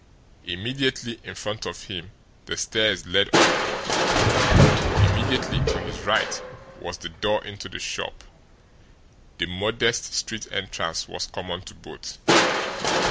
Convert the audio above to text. Immediately in front of him the stairs led upward; immediately to his right was the door into the shop the modest street entrance was common to both.